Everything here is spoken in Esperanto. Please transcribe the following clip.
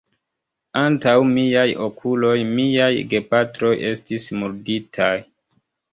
Antaŭ miaj okuloj miaj gepatroj estis murditaj.